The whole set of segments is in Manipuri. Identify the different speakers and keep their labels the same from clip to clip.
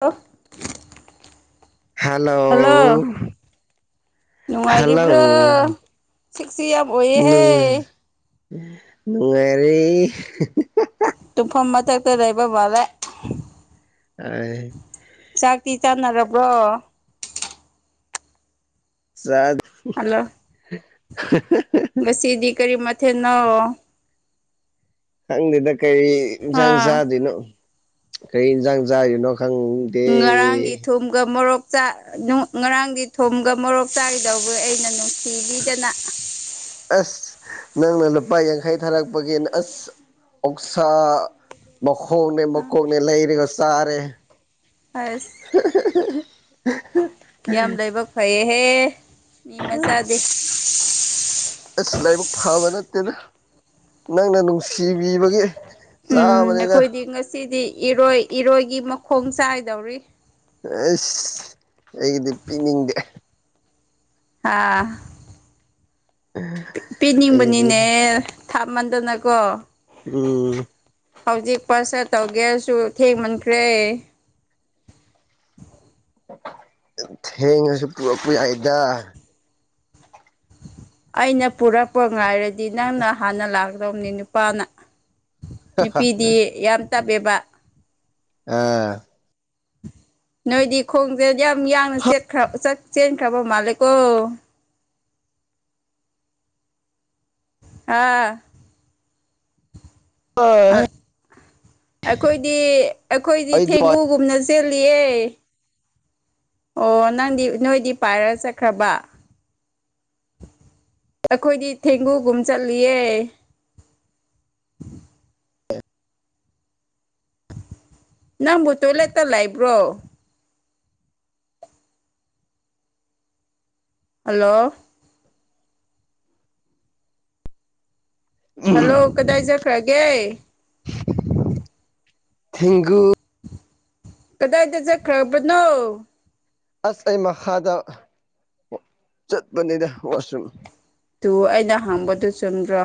Speaker 1: ꯍꯜꯂꯣ [unintelligible]
Speaker 2: ꯍꯂꯣ
Speaker 1: ꯅꯨꯡꯉꯥꯏꯔꯤꯕꯔꯤꯕ꯭ꯔꯣ ꯁꯤꯁꯤ ꯌꯥꯝ ꯑꯣꯏꯌꯦꯦꯍꯦ
Speaker 2: ꯅꯨꯡꯉꯥꯏꯔ
Speaker 1: ꯇꯨꯝꯐꯝ ꯃꯊꯛꯇ ꯂꯩꯕ ꯋꯥꯂꯦ
Speaker 2: ꯑ
Speaker 1: ꯆꯥꯛꯇꯤ ꯆꯥꯅꯔꯕ꯭ꯔꯣ
Speaker 2: ꯁꯥꯗ [unintelligible]
Speaker 1: ꯁꯤꯗꯤ ꯀꯔꯤ ꯃꯊ ꯅ
Speaker 2: ꯈꯪꯗꯦꯗ ꯀꯔꯤ ꯏꯟꯁꯥꯡ
Speaker 1: ꯑꯥ
Speaker 2: ꯆꯥꯗꯣꯏꯅꯣ ꯀꯔꯤ ꯏꯟꯁꯥꯡ ꯆꯥꯔꯤꯅꯣ ꯈꯪꯗꯦ
Speaker 1: ꯉꯔꯥꯡꯗꯤ ꯊꯨꯝꯒ ꯃꯣꯔꯣꯛ ꯆꯥꯛ ꯉꯔꯥꯡꯗꯤ ꯊꯨꯝꯒ ꯃꯣꯔꯣꯛ ꯆꯥꯈꯤꯗꯧꯕ ꯑꯩꯅ ꯅꯨꯡꯁꯤꯕꯤꯗꯅ [inaudible]
Speaker 2: ꯑꯁ ꯅꯪꯅ ꯂꯨꯄꯥ ꯌꯥꯡꯈꯩ ꯊꯥꯔꯛꯄꯒꯤ ꯑꯁ ꯑꯣꯛꯁꯥ ꯃꯈꯣꯛꯅꯦ ꯃꯀꯣꯛꯅꯦ ꯂꯩꯔꯒ ꯆꯥꯔꯦ
Speaker 1: ꯑꯁ ꯌꯥꯝ ꯂꯥꯏꯕꯛ ꯐꯩꯌꯦꯍꯦ ꯃꯤ ꯃꯆꯥꯗꯤ
Speaker 2: ꯑꯁ ꯂꯥꯏꯕꯛ ꯐꯕ ꯅꯠꯇꯦꯗ ꯅꯪꯅ ꯅꯨꯡꯁꯤꯕꯤꯕꯒꯤ
Speaker 1: ꯎꯝ
Speaker 2: ꯆꯥꯕꯅꯤꯅ
Speaker 1: ꯑꯩꯈꯣꯏꯗꯤ ꯉꯁꯤꯗꯤ ꯏꯔꯣꯏ ꯏꯔꯣꯏꯒꯤ ꯃꯈꯣꯡ ꯆꯥꯏꯗꯧꯔꯤ
Speaker 2: ꯑꯁ ꯑꯩꯒꯤꯗꯤ ꯄꯤꯅꯤꯡꯗꯦ
Speaker 1: ꯍꯥꯥ
Speaker 2: ꯑꯩꯒꯤꯗꯤ
Speaker 1: ꯄꯤꯅꯤꯡꯕꯅꯤꯅꯦ ꯊꯥꯃꯟꯗꯅꯀꯣ
Speaker 2: ꯎꯝ
Speaker 1: ꯍꯧꯖꯤꯛ ꯄꯣꯠꯁ ꯇꯧꯒꯦꯔꯁꯨ ꯊꯦꯡꯃꯟꯈ꯭ꯔꯦ
Speaker 2: ꯊꯦꯡꯉꯁꯨ ꯄꯨꯛꯄ ꯌꯥꯏꯗ
Speaker 1: ꯑꯩꯅ ꯄꯨꯔꯛꯄ ꯉꯥꯏꯔꯗꯤ ꯅꯪꯅ ꯍꯥꯟꯅ ꯂꯥꯛꯀꯗꯧꯅꯤ ꯅꯨꯄꯥꯅ ꯅꯨꯄꯤꯗꯤ ꯌꯥꯝ ꯇꯞꯑꯦꯕ
Speaker 2: ꯑꯥ
Speaker 1: ꯅꯣꯏꯗꯤ ꯈꯣꯡꯁꯦ ꯌꯥꯝ ꯌꯥꯡꯅ꯭ꯔ ꯆꯦꯟꯈ꯭ꯔꯕ ꯃꯥꯜꯂꯦꯀꯣ [unintelligible] ꯑꯥ
Speaker 2: ꯍ
Speaker 1: ꯑꯩꯈꯣꯏꯗꯤ ꯑꯩꯈꯣꯏꯗꯤ
Speaker 2: ꯑꯩꯗꯤ
Speaker 1: ꯊꯦꯡꯒꯨꯒꯨꯝꯅ ꯆꯦꯜꯂꯤꯑꯦ ꯑꯣ ꯅꯪꯗꯤ ꯅꯣꯏꯗꯤ ꯄꯥꯏꯔ ꯆꯠꯈ꯭ꯔꯕ ꯑꯩꯈꯣꯏꯗꯤ ꯊꯦꯡꯒꯨꯒꯨꯝ ꯆꯠꯂꯤꯌꯦ [unintelligible] ꯅꯪꯕꯨ ꯇꯣꯏꯂꯦꯠꯇ ꯂꯩ ꯏꯕ꯭ꯔꯣ ꯍꯜꯂꯣ ꯍꯜꯂꯣ ꯀꯗꯥꯏ ꯆꯠꯈ꯭ꯔꯒꯦ
Speaker 2: ꯊꯤꯒꯨ
Speaker 1: ꯀꯗꯥꯏ ꯇ ꯆ ꯈꯄꯗꯅ
Speaker 2: ꯑꯁ ꯑꯩ ꯃꯈꯥꯗ ꯆꯠꯄꯅꯤꯅ ꯋꯥꯁꯔꯨꯝ
Speaker 1: ꯑꯗꯨ ꯑꯩꯅ ꯍꯥꯡꯕꯗꯨ ꯆꯨꯝꯗ꯭ꯔꯣ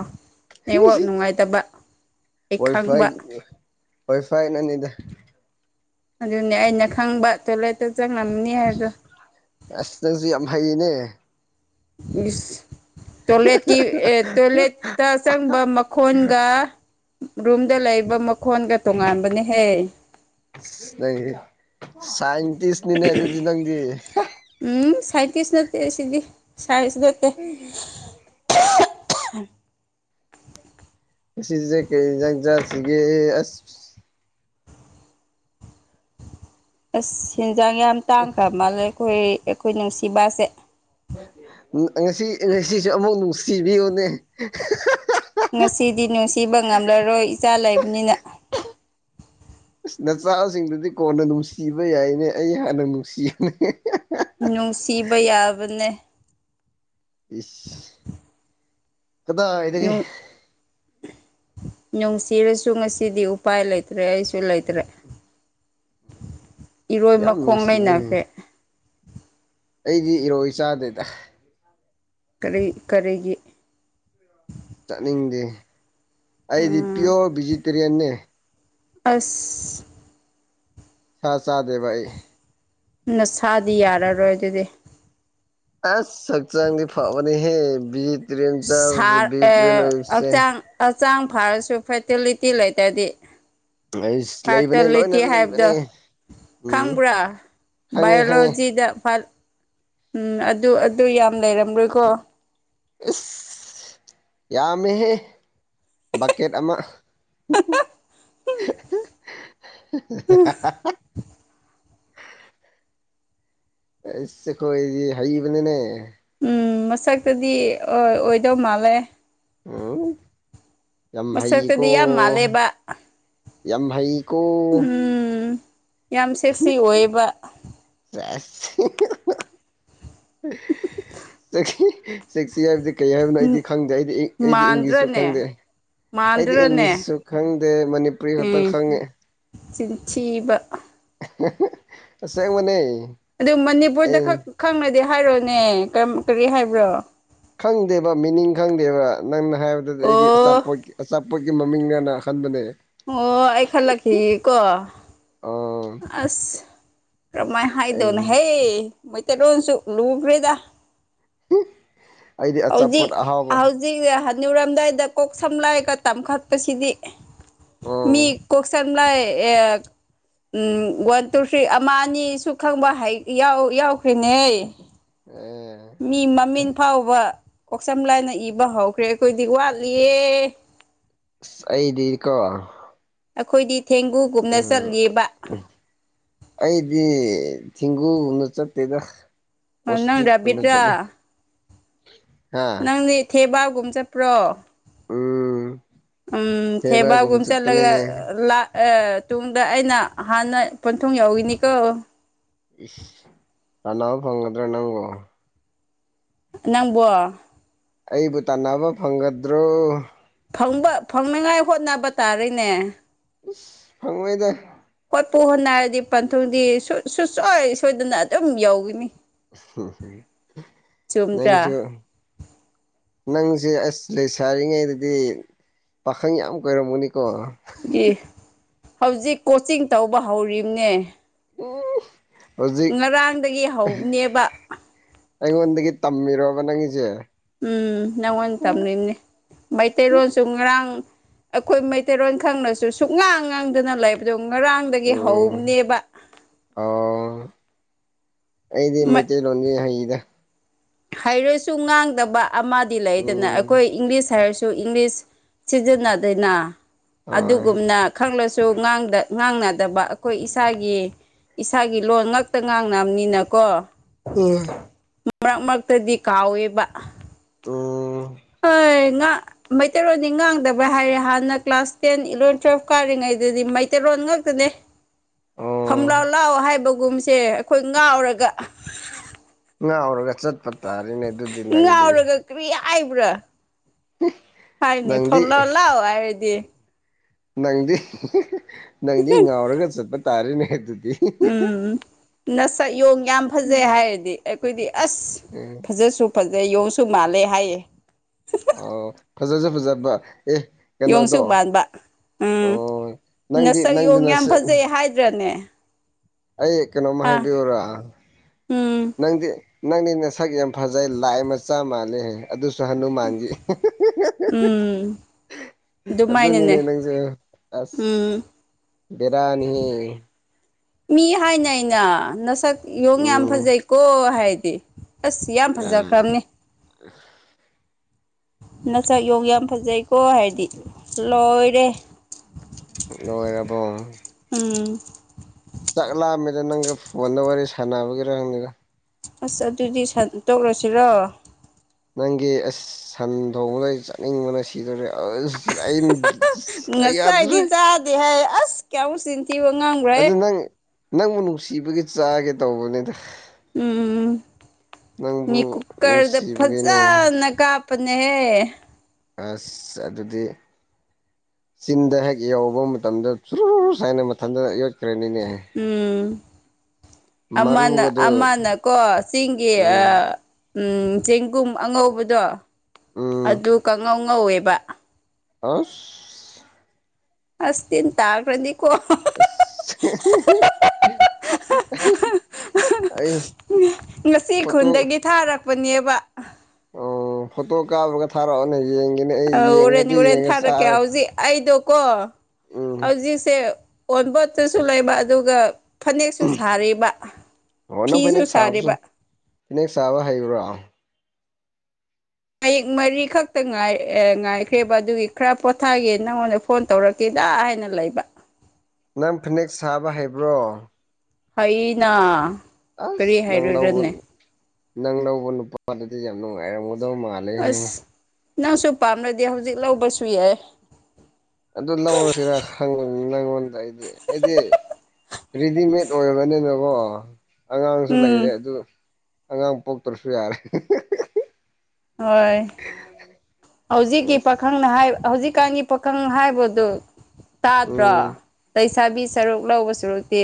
Speaker 1: ꯅꯦꯠꯋꯥꯛ ꯅꯨꯡꯉꯥꯏꯇꯕ ꯑꯩ
Speaker 2: ꯋꯥꯏ ꯐꯥꯏ
Speaker 1: ꯈꯪꯕ
Speaker 2: ꯋꯥꯏ ꯐꯥꯏ ꯅꯗ
Speaker 1: ꯑꯗꯨꯅꯦ ꯑꯩꯅ ꯈꯪꯕ ꯇꯣꯂꯦꯠꯇ ꯆꯪꯉꯝꯅꯤ ꯍꯥꯏꯗꯣ
Speaker 2: ꯑꯁ ꯅꯪꯁꯨ ꯌꯥꯝ ꯍꯩꯅꯦ
Speaker 1: ꯏꯁꯁ ꯇꯣꯏꯂꯦꯠꯀꯤ ꯇꯣꯏꯂꯦꯠꯇ ꯑ ꯆꯪꯕ ꯃꯈꯣꯟꯒ ꯔꯨꯝꯗ ꯂꯩꯕ ꯃꯈꯣꯟꯒ ꯇꯣꯉꯥꯟꯕꯅꯍꯦ
Speaker 2: ꯅꯪ ꯁꯥꯏꯟꯇꯤꯁꯅꯤꯅꯦ ꯑꯗꯨꯗꯤ ꯅꯪꯒꯤ
Speaker 1: ꯎꯝ ꯁꯥꯏꯟꯇꯤꯁ ꯅꯠꯇꯦ ꯁꯤꯗꯤ ꯁꯥꯏꯟꯁ ꯅꯠꯇꯦ ꯎꯝ
Speaker 2: ꯑꯁꯤꯁꯦ ꯀꯖꯁꯤꯒꯦ ꯑꯁ
Speaker 1: ꯑꯁ ꯍꯦꯟꯖꯥꯡ ꯌꯥꯝ ꯇꯥꯡꯈ꯭ꯔ ꯃꯥꯜꯂꯦ ꯑꯩꯈꯣꯏ ꯑꯩꯈꯣꯏ ꯅꯨꯡꯁꯤꯕꯁꯦ
Speaker 2: ꯉꯁꯤ ꯉꯁꯤꯁꯨ ꯑꯃꯨꯛ ꯅꯨꯡꯁꯤꯕꯤꯌꯨꯅꯦ
Speaker 1: ꯉꯁꯤꯗꯤ ꯅꯨꯡꯁꯤꯕ ꯉꯝꯂꯔꯣꯏ ꯏꯆꯥ ꯂꯩꯕꯅꯤꯅ
Speaker 2: ꯑꯁ ꯅꯆꯥꯁꯤꯡꯗꯨꯗꯤ ꯀꯣꯟꯅ ꯅꯨꯡꯁꯤꯕ ꯌꯥꯏꯅꯦ ꯑꯩ ꯍꯥꯟꯅ ꯅꯨꯡꯁꯤꯒꯅꯤ
Speaker 1: ꯅꯨꯡ ꯁꯤꯕ ꯌꯥꯕꯅꯦ
Speaker 2: ꯏꯁ ꯀꯗꯥꯗꯒꯤ
Speaker 1: ꯅꯨꯡꯁꯤꯔꯁꯨ ꯉꯁꯤꯗꯤ ꯎꯄꯥꯏ ꯂꯩꯇ꯭ꯔꯦ ꯑꯩꯁꯨ ꯂꯩꯇ꯭ꯔꯦ ꯏꯔꯣꯏ
Speaker 2: ꯌꯥꯝ
Speaker 1: ꯃꯈꯣꯡ ꯂꯩꯅꯈ꯭ꯔꯦ
Speaker 2: ꯅꯨꯡꯁꯤꯕꯅꯦ ꯑꯩꯗꯤ ꯏꯔꯣꯏ ꯆꯥꯗꯦꯗ
Speaker 1: ꯀꯔꯤ ꯀꯔꯤꯒꯤ
Speaker 2: ꯆꯠꯅꯤꯡꯗꯦ ꯑꯩꯗꯤ ꯄꯤꯌꯣꯔ ꯚꯦꯖꯤꯇꯦꯔꯤꯌꯟꯅꯦ
Speaker 1: ꯑꯁ
Speaker 2: ꯁꯥ ꯆꯗꯦꯚꯥꯏ
Speaker 1: ꯅꯁꯥꯗꯤ ꯌꯥꯔꯔꯣꯏ ꯑꯗꯨꯗꯤ
Speaker 2: ꯑ ꯆꯛꯆꯪ ꯐꯕꯅꯤ ꯍꯦ ꯕꯤꯠ
Speaker 1: ꯁꯔ ꯑꯆꯥ ꯍꯛꯆꯥꯡ ꯐꯔꯁꯨ ꯐꯔꯇꯤꯂꯤꯇꯤ ꯂꯩꯇ꯭ꯔꯗꯤ
Speaker 2: ꯑꯩꯁ ꯂꯩꯕꯅꯦ
Speaker 1: ꯐꯔꯇꯂꯇ
Speaker 2: ꯂꯣꯏꯅ
Speaker 1: ꯍꯥꯏꯕꯗ
Speaker 2: ꯂꯩꯕꯅꯦ ꯎꯝ
Speaker 1: ꯈꯪꯕ꯭ꯔꯥ
Speaker 2: ꯈꯪꯉꯦ ꯈꯪꯉꯦ
Speaker 1: ꯕꯥꯏꯑꯣꯂꯣꯖꯤꯗ ꯎꯝ ꯑꯗꯨ ꯑꯗꯨ ꯌꯥꯝ ꯂꯩꯔꯝꯔꯣꯏꯀꯣ
Speaker 2: ꯑ ꯌꯥꯃꯦꯍꯦ ꯕꯀꯦꯠ ꯑꯃ
Speaker 1: [inaudible]
Speaker 2: [inaudible] ꯁꯈꯣꯏꯗꯤ ꯍꯩꯕꯅꯤꯅꯦ
Speaker 1: ꯎꯝ ꯃꯁꯛꯇꯗꯤ ꯑꯣꯏꯗꯧ ꯃꯥꯜꯂꯦ
Speaker 2: ꯑꯝ ꯌꯥꯝꯚꯩꯀꯣ
Speaker 1: ꯃꯁꯛꯇꯗꯤ ꯌꯥꯝ ꯃꯥꯜꯂꯦꯕ
Speaker 2: ꯌꯥꯝꯚꯩꯀꯣ
Speaker 1: ꯎꯝ ꯌꯥꯝ ꯁꯦꯛꯁꯤ ꯑꯣꯏꯕ
Speaker 2: ꯁꯤꯁꯤꯗꯤ ꯀꯩ ꯍꯥꯏꯕꯅꯣ ꯑꯩꯗꯤ ꯈꯪꯗꯦ ꯑꯩꯗꯤ ꯑꯩꯗꯤ ꯏꯪꯂꯤꯁꯨ ꯈꯪꯗꯦ
Speaker 1: ꯃꯥꯟꯗ꯭ꯔꯅꯦ
Speaker 2: ꯑꯩꯗꯤ
Speaker 1: ꯃꯥꯟꯗ꯭ꯔꯅꯦ
Speaker 2: ꯏꯪꯂꯤꯁꯁꯨ ꯈꯪꯗꯦ ꯃꯅꯤꯄꯨꯔꯤ ꯈꯛꯇꯪ
Speaker 1: ꯎꯝ
Speaker 2: ꯈꯪꯉꯦ
Speaker 1: ꯆꯤꯟꯊꯤꯕ
Speaker 2: ꯎ
Speaker 1: ꯑꯗꯨ
Speaker 2: ꯑꯦ
Speaker 1: ꯃꯅꯤꯄꯨꯔꯗ ꯈꯛ ꯈꯪꯅꯗꯤ ꯍꯥꯏꯔꯣꯅꯦ ꯀꯔꯤ ꯍꯥꯏꯕ꯭ꯔꯣ
Speaker 2: ꯈꯪꯗꯦꯕ ꯃꯤꯅꯤꯡ ꯈꯪꯗꯦꯕ ꯅꯪꯅ ꯍꯥꯏꯕꯗꯗꯤ ꯑꯩꯗꯤ
Speaker 1: ꯑꯣ
Speaker 2: ꯑꯆꯥꯄꯣꯠꯀꯤ ꯑꯆꯥ ꯄꯄꯒꯤ ꯃꯃꯤꯡꯅꯅ ꯑ ꯈꯟꯕꯅꯦ
Speaker 1: ꯑꯣ ꯑꯩ ꯈꯜꯂꯛꯈꯤ ꯀꯣ
Speaker 2: ꯑꯣ
Speaker 1: ꯑꯁ ꯀꯔꯝꯃꯥꯏꯅ
Speaker 2: ꯑꯩ
Speaker 1: ꯍꯥꯏꯗꯧꯅꯣ ꯍꯦ ꯃꯩꯇꯩ ꯂꯣꯟꯁꯨ ꯂꯨꯈ꯭ꯔꯦꯗ
Speaker 2: ꯍ
Speaker 1: ꯍꯧꯖꯤꯛ ꯍꯧꯖꯤꯛ ꯧꯔꯝꯗꯥꯏꯗ ꯀꯣꯛ ꯁꯝ ꯂꯥꯏꯒ ꯇꯝꯈꯠꯄꯁꯤꯗꯤ ꯃꯤ
Speaker 2: ꯑꯣ
Speaker 1: ꯀꯣꯛꯁꯝ ꯂ ꯑꯦ ꯎꯝ ꯋꯥꯟ ꯇꯨ ꯊ꯭ꯔꯤ ꯑꯃ ꯑꯅꯤ ꯁ ꯈꯪꯕ ꯌꯥꯎꯈ꯭ꯔꯤꯅꯦ
Speaker 2: ꯑꯦ
Speaker 1: ꯃꯤ ꯃꯃꯤꯟ ꯐꯥꯎꯕ ꯀꯣꯛꯁꯝ ꯂꯥꯏꯅ ꯏꯕ ꯍꯧꯈ꯭ꯔꯦ ꯑꯩꯈꯣꯏꯗꯤ ꯋꯥꯠꯂꯤꯌꯦ
Speaker 2: ꯑꯩꯗꯤꯔꯀ
Speaker 1: ꯑꯩꯈꯣꯏꯗꯤ ꯊꯦꯡꯒꯨꯒꯨꯝꯅ ꯆꯠꯂꯤꯕ
Speaker 2: ꯊꯈꯤꯒꯨ ꯍꯅ ꯆ ꯇꯇꯩꯗ
Speaker 1: ꯑꯣꯟꯅ ꯗꯕꯤꯠꯇ꯭ꯔ
Speaker 2: [inaudible]
Speaker 1: ꯅꯪꯗꯤ ꯊꯦꯕꯥꯒꯨꯝꯕ ꯆꯠꯄ꯭ꯔꯣ
Speaker 2: ꯎꯝ
Speaker 1: ꯎꯝ
Speaker 2: ꯊꯦꯕꯒꯨꯝ
Speaker 1: ꯊꯦꯕꯥꯒꯨꯝ
Speaker 2: ꯆꯠꯄꯅꯦ
Speaker 1: ꯆꯠꯂꯒ ꯂ ꯑꯦ ꯇꯨꯡꯗ ꯑꯩꯅ ꯍꯥꯟꯅ ꯄꯣꯟꯊꯨꯡ ꯌꯎꯏꯅꯤꯀꯣ
Speaker 2: ꯏꯁ ꯀꯅꯥ ꯐꯪꯉꯗ꯭ꯔꯦ ꯅꯒꯣ
Speaker 1: ꯅꯪꯕꯣ
Speaker 2: ꯑꯩꯕꯨ ꯇꯥꯟꯅꯕ ꯐꯪꯒꯗ꯭ꯔꯣ
Speaker 1: ꯐꯪꯕ ꯐꯪꯅꯤꯉꯥꯏ ꯍꯣꯠꯅꯕ ꯇꯥꯔꯦꯅꯦ
Speaker 2: ꯐꯪꯉꯣꯏꯗ
Speaker 1: ꯄꯣꯠꯄꯨ ꯍꯣ ꯍꯥꯏꯔꯗꯤ ꯄꯟꯊꯨꯡꯗꯤ ꯁꯨꯡꯁꯣꯏ ꯁꯣꯏꯗꯅ ꯑꯗꯨꯝ ꯌꯧꯈꯤꯅꯤ ꯆꯨꯝꯗ꯭ꯔꯥ
Speaker 2: ꯅꯪꯁꯨ ꯅꯪꯁꯨ ꯁꯤꯦ ꯑꯁ ꯂꯩꯁꯔꯤꯉꯩꯗꯗꯤ ꯄꯥꯈꯪ ꯌꯥꯝ ꯀꯣꯏꯔꯝꯃꯅꯤꯀꯣ
Speaker 1: ꯑꯦ ꯍꯧꯖꯤꯛ ꯀꯣꯆꯤꯡ ꯇꯧꯕ ꯍꯧꯔꯤꯝꯅꯦ
Speaker 2: ꯍꯧꯖꯤꯛ
Speaker 1: ꯍꯧꯕꯅꯦꯕ
Speaker 2: ꯑꯩꯉꯣꯟꯗꯒꯤ ꯃꯤꯔꯣꯕ ꯅꯉꯁꯦ
Speaker 1: ꯎꯝ ꯅꯪꯉꯣꯟ ꯇꯝꯅꯤꯡꯅꯦ ꯃꯩꯇꯩꯔꯣꯟꯜꯁꯨ ꯉꯔꯥꯡ ꯑꯩꯈꯣꯏ ꯃꯩꯇꯩꯔꯣꯟ ꯈꯪꯅꯁꯨ ꯁꯨꯉꯥꯡ ꯉꯥꯡꯗꯅ ꯂꯩꯕꯗ ꯉꯔꯥꯡꯗꯒꯤ
Speaker 2: ꯎꯝ
Speaker 1: ꯍꯧꯅꯦꯕ
Speaker 2: ꯑꯣ ꯑꯩꯗꯤ ꯃꯩꯇꯩ ꯆ ꯂꯣꯗ ꯍꯍꯤꯗ
Speaker 1: ꯍꯥꯏꯩꯔꯁꯨ ꯉꯥꯡꯗꯕ ꯑꯃꯗꯤ ꯂꯩꯗꯅ
Speaker 2: ꯎꯝ
Speaker 1: ꯑꯩꯈꯣꯏ ꯏꯪꯂꯤꯁ ꯍꯥꯏꯔ ꯏꯪꯂꯤꯁ ꯁꯤꯖꯤꯟꯅꯗꯅ
Speaker 2: ꯍꯣꯏ
Speaker 1: ꯑꯗꯨꯒꯨꯝꯅ ꯈ ꯁꯨ ꯉꯥꯡꯅꯗꯕ ꯑꯩꯈꯣꯏ ꯏꯁꯥꯒꯤ ꯏꯁꯥꯒꯤ ꯂꯣꯟꯜ ꯉꯛꯇ ꯉꯥꯡꯅꯕꯅꯤꯅꯀꯣ
Speaker 2: ꯎꯝ
Speaker 1: ꯃꯔꯛ ꯃꯔꯛꯇꯗꯤ ꯀꯥꯎꯋꯦꯕ
Speaker 2: ꯑꯣ
Speaker 1: ꯑ ꯃꯩꯇꯩꯔꯣꯟꯗꯤ ꯉꯥꯡꯗꯕ꯭ꯔ ꯍꯥꯏꯔꯦ ꯍꯥꯟꯅ ꯀ꯭ꯂꯥꯁ ꯇꯦꯟ ꯏꯂꯚꯦꯟ ꯇꯨꯋꯦꯜꯐ ꯀꯥꯔꯤꯉꯩꯗꯨꯗꯤ ꯃꯩꯇꯩꯔꯣꯟ ꯐꯟꯥꯛꯇꯅꯦ ꯐꯝ
Speaker 2: ꯑꯣ
Speaker 1: ꯂꯥꯎ ꯂꯥꯎ ꯍꯥꯏꯕꯒꯨꯝꯁꯦ ꯑꯩꯈꯣꯏ ꯉꯥꯎꯔꯒ
Speaker 2: ꯉꯥꯎꯔꯒ ꯆꯠꯄ ꯇꯥꯔꯤꯅꯦ ꯑꯗꯨꯗꯤ ꯅꯪꯗꯤ
Speaker 1: ꯍꯥꯏꯥꯏꯕ꯭ꯔꯥ ꯍꯥꯏꯅꯤ
Speaker 2: ꯅꯪꯗꯤ
Speaker 1: ꯐꯜꯂ ꯍꯥꯏꯗꯤ
Speaker 2: ꯅꯪꯗꯤ ꯅꯪꯗꯤ ꯉꯥꯎꯔꯒ ꯆꯠꯄ ꯇꯥꯔꯦꯅꯦ ꯑꯗꯨꯗꯤ
Speaker 1: ꯎꯝ ꯅꯁ ꯌꯣꯡ ꯌꯥꯝ ꯐꯖꯩ ꯍꯥꯏꯔꯗꯤ ꯑꯩꯈꯣꯏꯗꯤ ꯑꯁ
Speaker 2: ꯎꯝ
Speaker 1: ꯐꯖꯁꯨ ꯐꯖꯩ ꯌꯣꯡꯁꯨ ꯃꯥꯜꯂꯦ ꯍꯥꯏꯌꯦ
Speaker 2: ꯑ ꯐꯖꯁꯦ ꯐꯖꯕ ꯑꯦ
Speaker 1: ꯌꯡꯁꯨ
Speaker 2: ꯀꯩꯅꯣꯗꯣ
Speaker 1: ꯕ ꯎꯝ
Speaker 2: ꯑꯣ ꯅꯪꯗꯤ
Speaker 1: ꯅꯁꯛ
Speaker 2: ꯅꯪꯗꯤ
Speaker 1: ꯌꯦꯣꯡ ꯌꯥꯝ
Speaker 2: ꯅꯁꯛ
Speaker 1: ꯐꯖꯩ ꯍꯥꯏꯗ꯭ꯔꯅꯦ
Speaker 2: ꯑꯩ ꯀꯩꯅꯣꯝꯃ
Speaker 1: ꯑꯥ
Speaker 2: ꯍꯥꯏꯕꯤꯔ
Speaker 1: ꯎꯝ
Speaker 2: ꯅꯪꯗꯤ ꯅꯪꯅꯤ ꯅ ꯁꯛ ꯌꯥꯝ ꯐꯖꯩ ꯂꯥꯏ ꯃꯆꯥ ꯃꯥꯜꯂꯦ ꯑꯗꯨ ꯁꯍꯅꯨ ꯃꯥꯡꯖꯤ
Speaker 1: ꯎꯝ
Speaker 2: ꯑꯗꯨꯣꯅꯤ ꯅ
Speaker 1: ꯑꯗꯨꯃꯥꯏꯅꯅꯦ
Speaker 2: ꯅꯪꯁ ꯑꯁ
Speaker 1: ꯎꯝ
Speaker 2: ꯕꯤꯔꯅꯤ
Speaker 1: ꯃꯤ ꯍꯥꯏꯅꯩꯅ ꯅꯁꯛ ꯌꯦꯣꯡ ꯌꯥꯝ
Speaker 2: ꯎꯝ
Speaker 1: ꯐꯖꯩꯀꯣ ꯍꯥꯏꯗꯤ ꯑꯁ ꯌꯥꯝ ꯐꯖꯈ꯭ꯔꯕꯅꯦ
Speaker 2: ꯑ
Speaker 1: ꯅ ꯆꯥꯛ ꯌꯣꯡ ꯌꯥꯝ ꯐꯖꯩꯀꯣ ꯍꯥꯏꯕꯗꯤ ꯂꯣꯏꯔꯦ
Speaker 2: ꯅꯣꯏ ꯑꯕꯣ
Speaker 1: ꯎꯝ
Speaker 2: ꯆꯥꯛ ꯂꯥꯛꯑꯝꯃꯤꯗ ꯅꯪꯒ ꯐꯣꯟꯗ ꯋꯥꯔꯤ ꯁꯥꯟꯅꯕꯒꯤꯔꯥꯡꯪꯅꯤꯒ
Speaker 1: ꯑꯁ ꯑꯗꯨꯗꯤ ꯁꯟꯠꯇꯣꯛꯂꯁꯤꯔꯣ
Speaker 2: ꯅꯪꯒꯤ ꯑꯁ ꯁꯟ ꯊꯣꯡꯕꯗ ꯆꯠꯅꯤꯡꯕꯅ ꯁꯤ ꯌꯥꯗ꯭ꯔꯦ
Speaker 1: ꯉꯁꯥꯏꯗꯤ ꯆꯥꯗꯦ ꯍꯥꯏ ꯑꯁ ꯀꯌꯥꯎ ꯁꯤꯊꯤ ꯑ ꯉꯥꯡꯕ꯭ꯔꯦ
Speaker 2: ꯑꯗꯨ ꯅꯪ ꯅꯪꯕꯨ ꯅꯨꯡꯁꯤꯕꯒꯤ ꯆꯥꯒꯦ ꯇꯧꯕꯅꯤꯗ
Speaker 1: ꯎꯝ
Speaker 2: ꯅꯪꯕꯨ
Speaker 1: ꯃꯤ ꯀꯨꯀꯔꯗ
Speaker 2: ꯅꯨꯡꯁꯤꯕꯒꯤꯅꯦ
Speaker 1: ꯐꯖꯅ ꯀꯥꯞ ꯄꯨꯅꯦ
Speaker 2: ꯑꯁ ꯑꯗꯨꯗꯤ ꯆꯤꯟꯗ ꯍꯦꯛ ꯌꯧꯕ ꯃꯇꯝꯗ ꯁꯨꯔꯨꯔꯨ ꯁꯨꯥꯏꯅ ꯃꯊꯟꯇ ꯌꯣꯠꯈ꯭ꯔꯅꯤꯅꯦ
Speaker 1: ꯎꯝ ꯑꯃꯅ
Speaker 2: ꯃꯔꯨꯒꯗꯣ
Speaker 1: ꯑꯃꯅ ꯀꯣ ꯆꯤꯡ ꯑ
Speaker 2: ꯎꯝ
Speaker 1: ꯎꯝ ꯆꯦꯡꯒꯨꯝ ꯑꯉꯧꯕꯗꯣ
Speaker 2: ꯎꯝ
Speaker 1: ꯑꯗꯨ ꯀꯥꯡꯉꯧ ꯉꯧꯋꯦꯕ
Speaker 2: ꯑꯁ
Speaker 1: ꯑꯁ ꯇꯤꯟ ꯇꯥꯈꯔꯗꯤ
Speaker 2: ꯑꯁ [unintelligible] ꯑꯩ
Speaker 1: ꯉꯁꯤ
Speaker 2: ꯐꯣꯇꯣ
Speaker 1: ꯈꯨꯟꯗꯒꯤ ꯊꯥꯔꯛꯄꯅꯦꯕ
Speaker 2: ꯑꯣ ꯐꯣꯇꯣ ꯀꯥꯞ ꯀ ꯊꯔꯑꯣ
Speaker 1: ꯑ ꯎꯣꯔꯦꯟ ꯎꯣꯔꯦꯟ ꯊꯥꯔꯛꯀꯦ ꯍꯧꯖꯤꯛ ꯑꯩꯗꯣ ꯀꯣ
Speaker 2: ꯎꯝ
Speaker 1: ꯍꯧꯖꯤꯛꯁꯦ ꯑꯣꯟꯕꯣꯠꯇꯁꯨ ꯂꯩꯕ ꯑꯗꯨꯒ ꯐꯅꯦꯛꯁꯨ ꯁꯥꯔꯤꯕ
Speaker 2: ꯑꯣ ꯅꯪ
Speaker 1: ꯐꯤꯁꯨ
Speaker 2: ꯐꯅꯦꯛ
Speaker 1: ꯁꯥꯔꯤꯕ
Speaker 2: ꯁꯥꯕꯁꯨ ꯐꯅꯦꯛ ꯁꯥꯥꯕ ꯍꯩꯕ꯭ꯔꯣ
Speaker 1: ꯃꯌꯦꯛ ꯃꯔꯤꯈꯛꯇ ꯉꯥꯏꯈ꯭ꯔꯦꯕ ꯑꯗꯨꯒꯤ ꯈꯔ ꯄꯣꯊꯥꯒꯦ ꯅꯪꯉꯣꯟꯗ ꯐꯣꯟ ꯇꯧꯔꯛꯀꯦ ꯍꯤꯗꯥ ꯍꯥꯏꯅ ꯂꯩꯕ
Speaker 2: ꯅꯪ ꯐꯅꯦꯛ ꯁꯥꯕ ꯍꯩꯕ꯭ꯔꯣ
Speaker 1: ꯍꯅꯥ ꯀꯔꯤ
Speaker 2: ꯑꯁ ꯅꯪ
Speaker 1: ꯍꯥꯏꯔꯣꯏꯔꯅꯦ
Speaker 2: ꯂꯧꯕ ꯅꯪ ꯂꯧꯕ ꯅꯨꯄꯥꯗꯨꯗꯤ ꯌꯥꯝ ꯅꯨꯡꯉꯥꯏꯔꯝꯒꯗꯧ ꯃꯥꯜꯂꯦꯍꯦ
Speaker 1: ꯑꯁ ꯅꯪꯁꯨ ꯄꯥꯝꯅꯗꯤ ꯍꯧꯖꯤꯛ ꯂꯧꯕꯁꯨ ꯌꯥꯏ
Speaker 2: ꯑꯗꯨ ꯂꯧꯔꯁꯤꯔꯕꯅꯤ ꯅꯪꯉꯣꯟꯗ ꯑꯩꯗꯤ ꯑꯩꯗꯤ ꯔꯦꯗꯤꯃꯦꯗ ꯑꯣꯏꯔꯕꯅꯤꯅꯀꯣ ꯑꯉꯥꯡꯁꯨ
Speaker 1: ꯎꯝ
Speaker 2: ꯂꯩꯔꯦ ꯑꯗꯨ ꯑꯉꯥꯡ ꯄꯣꯛꯇ꯭ꯔꯁꯨ ꯌꯥꯔꯦ
Speaker 1: ꯍꯣꯏ ꯍꯧꯖꯤꯛꯀꯤ
Speaker 2: ꯑꯁ
Speaker 1: ꯄꯥꯈꯪꯅ ꯍꯥꯏ ꯍꯧꯖꯤꯛꯀꯥꯟꯒꯤ ꯄꯥꯈꯪ ꯍꯥꯏꯕꯗꯨ ꯇꯥꯗ꯭ꯔꯣ
Speaker 2: ꯎꯝ
Speaker 1: ꯁꯥꯕꯤ ꯁꯔꯨꯛ ꯂꯧꯕ ꯁꯔꯨꯛꯇꯤ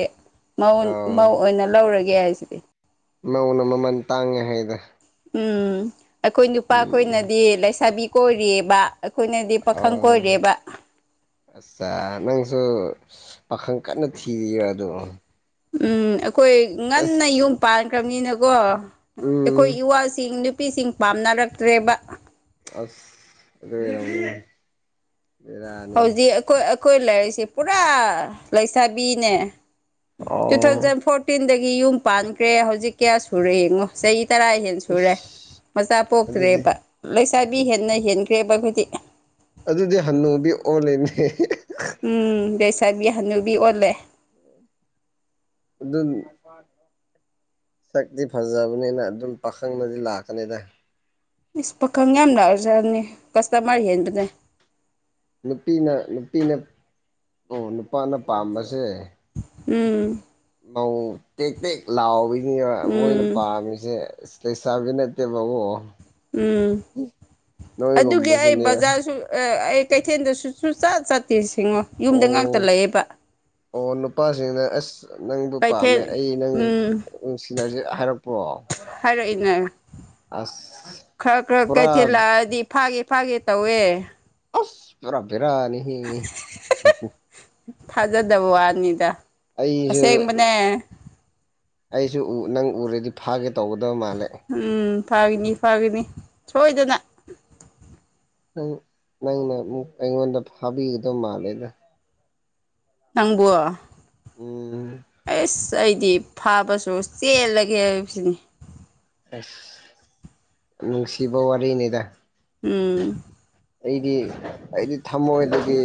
Speaker 1: ꯃꯧ ꯃꯧ ꯑꯣꯏꯅ ꯂꯧꯔꯒꯦ ꯍꯥꯏꯁꯤꯗꯤ
Speaker 2: ꯃꯧꯅ ꯃꯃꯜ ꯇꯥꯡꯉꯦ ꯍꯥꯏꯗ
Speaker 1: ꯎꯝ ꯑꯩꯈꯣꯏ
Speaker 2: ꯎꯝ
Speaker 1: ꯅꯨꯄꯥꯈꯣꯏꯅꯗꯤ ꯂꯩꯁꯥꯕꯤ ꯀ‌ꯣꯏꯔꯤꯑꯕ
Speaker 2: ꯑꯣ ꯑꯆꯥ ꯅꯪꯁꯨ ꯄꯥꯈꯪ ꯀꯟꯅ ꯊꯤꯔꯤꯌꯦ ꯑꯗꯣ
Speaker 1: ꯎꯝ ꯑꯩꯈꯣꯏ ꯉꯟꯅ
Speaker 2: ꯑꯁ
Speaker 1: ꯌꯨꯝ ꯄꯥꯟꯈ꯭ꯔꯕꯅꯤꯅꯀꯣ ꯑꯩꯈꯣꯏ
Speaker 2: ꯎꯝ
Speaker 1: ꯏꯋꯥꯁꯤꯡ ꯅꯨꯄꯤꯁꯤꯡ ꯄꯥꯝꯅꯔꯛꯇ꯭ꯔꯦꯕ
Speaker 2: ꯑꯁ ꯑꯗꯨꯗ
Speaker 1: ꯍꯧꯖꯤꯛ ꯑꯩꯈꯣꯏ ꯑꯩꯈꯣꯏ ꯂꯥꯏꯔꯤꯛꯁꯤꯦ ꯄꯨꯔꯥ ꯂꯩꯁꯥꯕꯤꯅꯦ ꯇꯨ
Speaker 2: ꯑꯣ
Speaker 1: ꯊꯥꯎꯖꯟ ꯐꯣꯔꯇꯤꯟꯗꯒꯤ ꯌꯨꯝ ꯄꯥꯟꯈ꯭ꯔꯦ ꯍꯧꯖꯤꯛ ꯀꯌꯥ ꯁꯨꯔ ꯌꯦꯦꯉꯣ ꯆꯍꯤ ꯇꯔꯥ ꯍꯦꯟ ꯁꯨꯔꯦ
Speaker 2: ꯏꯁ
Speaker 1: ꯃꯆꯥ
Speaker 2: ꯑꯗꯨꯗꯤ
Speaker 1: ꯄꯣꯛꯇ꯭ꯔꯦꯕ ꯆꯥꯕꯤ ꯍꯦꯟꯅ ꯍꯦꯟꯒ꯭ꯔꯦꯕꯕꯨꯗꯤ
Speaker 2: ꯑꯗꯨꯗꯤ ꯍꯟꯅꯨꯕꯤ ꯑꯣꯜꯂꯤꯅꯦ
Speaker 1: ꯎꯝ ꯂꯩꯁꯥꯕꯤ ꯍꯅꯨꯕꯤ ꯑꯣꯜꯂꯦ
Speaker 2: ꯑꯗꯨ ꯑꯗꯨ ꯁꯛꯇꯤ ꯐꯖꯕꯅꯤꯅ ꯑꯗꯨꯝ ꯄꯥꯈꯪꯅꯗꯤ ꯂꯥꯛꯀꯅꯤꯗ
Speaker 1: ꯏꯁꯁ ꯄꯥꯈꯪ ꯌꯥꯝ ꯂꯎꯖꯅꯤ ꯀꯁꯇꯃꯔ ꯍꯦꯟꯕꯅꯦ
Speaker 2: ꯅꯨꯄꯤꯅ ꯅꯨꯄꯤꯅ ꯑꯣ ꯅꯨꯄꯥꯅ ꯄꯥꯝꯕꯁꯦ
Speaker 1: ꯎꯝ
Speaker 2: ꯃꯧ ꯇꯦꯛ ꯇꯦꯛ ꯂꯥꯎꯕꯁꯤ ꯃꯣꯏꯅ
Speaker 1: ꯎꯝ
Speaker 2: ꯄꯥꯝꯃꯤꯁꯦ ꯏꯁꯂꯤꯁꯥꯕꯤ ꯅꯠꯇꯦꯕꯕꯎ
Speaker 1: ꯎꯝ ꯑꯗꯨꯒꯤ ꯑꯩ
Speaker 2: ꯅꯣꯏꯒꯨꯝꯕꯁꯤꯅꯦꯕ
Speaker 1: ꯕꯖꯥꯔꯁꯨ ꯑꯩ ꯀꯩꯊꯦꯜꯗꯁꯨꯨ ꯆꯠ ꯆꯠꯇꯦ ꯁꯤꯦꯡꯉꯣ ꯌꯨꯝꯗ ꯉꯥꯛꯇ
Speaker 2: ꯑꯣ
Speaker 1: ꯂꯩꯌꯦꯦꯕ
Speaker 2: ꯑꯣ ꯅꯨꯄꯥꯁꯤꯡꯅ ꯑꯁ ꯅꯪꯕꯨ ꯄꯥꯝꯃꯦ
Speaker 1: ꯀꯩꯊꯦꯜ
Speaker 2: ꯑꯩ ꯅꯪ
Speaker 1: ꯎꯝ
Speaker 2: ꯁꯤꯂꯔꯁꯦ ꯍꯥꯏꯔꯛꯄ꯭ꯔꯣ ꯑꯁ
Speaker 1: ꯈ꯭ꯔ ꯈꯔ
Speaker 2: ꯄꯨꯔꯥ
Speaker 1: ꯀꯩꯊꯦꯜꯜ ꯂꯥꯛꯑꯗꯤ ꯐꯥꯒꯦ ꯐꯥꯒꯦ ꯇꯧꯋꯦ
Speaker 2: ꯑꯁ ꯄꯨꯔꯥ ꯄꯔꯥꯅꯤꯍ
Speaker 1: ꯐꯗꯕ ꯋꯥꯅꯤꯗ ꯑꯁꯦꯡꯕꯅꯦ
Speaker 2: ꯑꯩꯁꯨ ꯎ ꯅꯪ ꯎꯔꯗꯤ ꯐꯥꯒꯦ ꯇꯧꯒꯗꯕ ꯃꯥꯜꯂꯦ
Speaker 1: ꯐꯥꯒꯅꯤ ꯐꯥꯒꯅꯤ ꯁꯣꯏꯗꯅ
Speaker 2: ꯅꯪ ꯅꯪꯅ ꯑꯃ ꯑꯩꯉꯣꯟꯗ ꯐꯥꯕꯤꯒꯗꯧ ꯃꯥꯜꯂꯦꯗ
Speaker 1: ꯅꯪꯕ
Speaker 2: ꯎꯝ
Speaker 1: ꯑꯁ ꯑꯩꯗꯤ ꯐꯥꯕꯁꯨ ꯆꯦꯜꯂꯒꯦ ꯍꯥꯏꯕꯁꯤꯅꯤ
Speaker 2: ꯑ ꯅꯅꯨꯡꯁꯤꯕꯧꯔ ꯅꯩꯗꯗꯥ
Speaker 1: ꯎꯝ
Speaker 2: ꯑꯩꯗꯤ ꯑꯩꯗꯤ ꯊꯃꯣꯏꯗꯒꯤ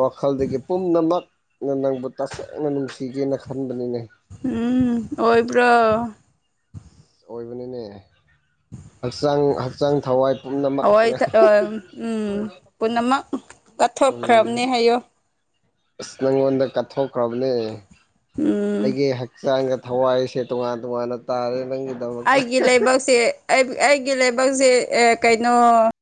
Speaker 2: ꯋꯥꯈꯜꯗꯒꯤ ꯄꯨꯝꯅꯃꯛꯅ ꯅꯪꯕꯨ ꯇꯁ ꯅ ꯅꯨꯡꯁꯤꯒꯦꯅ ꯈꯟꯕꯅꯤꯅꯦ
Speaker 1: ꯎꯝ ꯑꯣꯏꯣꯏꯕ꯭ꯔꯣ
Speaker 2: ꯑꯩꯣꯏꯕꯅꯤꯅꯦ
Speaker 1: ꯎꯝ [inaudible] [unintelligible] ꯍꯣꯏ
Speaker 2: ꯄꯨꯝꯅꯃꯛꯅ
Speaker 1: ꯑ ꯎꯝ ꯄꯨꯟꯅꯃ
Speaker 2: ꯎꯝ
Speaker 1: ꯀꯠꯊꯣꯛꯈ꯭ꯔꯕꯅꯦ ꯍꯥꯏꯌꯣ
Speaker 2: ꯑꯁ ꯅꯪꯉꯣꯟꯗ ꯀꯠꯊꯣꯛꯈ꯭ꯔꯕꯅꯦ
Speaker 1: ꯎꯝ
Speaker 2: ꯑꯩꯒꯤ ꯍꯛꯆꯥꯡꯗ ꯊꯋꯥꯏꯁꯦ ꯇꯣꯉꯥꯟ ꯇꯣꯉꯥꯟꯅ ꯇꯥꯔꯦ ꯅꯪꯒꯤꯗꯃꯛꯇ
Speaker 1: ꯑꯩꯒꯤ ꯂꯕꯛꯁꯦ ꯑꯩꯒꯤ ꯂꯥꯏꯕꯛꯁꯦ ꯀꯩꯅꯣ